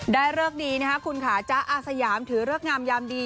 เลิกดีนะครับคุณค่ะจ๊ะอาสยามถือเลิกงามยามดี